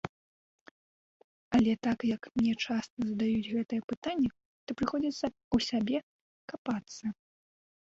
Але так як мне часта задаюць гэтае пытанне, то прыходзіцца ў сабе капацца.